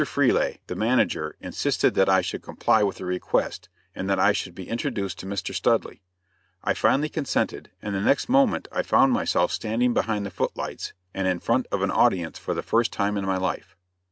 Freleigh, the manager, insisted that I should comply with the request, and that I should be introduced to Mr. Studley. I finally consented, and the next moment I found myself standing behind the footlights and in front of an audience for the first time in my life.